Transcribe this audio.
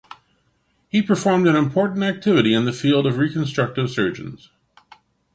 He performed an important activity in the field of reconstructive surgeons.